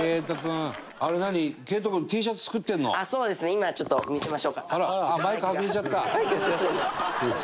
今ちょっと見せましょうか。